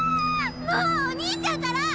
もうお兄ちゃんったら！